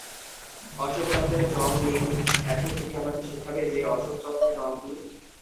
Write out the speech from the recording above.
অশোকচক্রের রং নীল এখন তুমি আমাকে শেখাবে যে অশোকচক্রের রং কী?